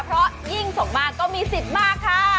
เพราะยิ่งส่งมากก็มีสิทธิ์มากค่ะ